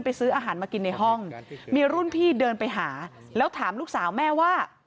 ซื้ออาหารมากินในห้องมีรุ่นพี่เดินไปหาแล้วถามลูกสาวแม่ว่า